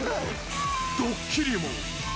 ドッキリも。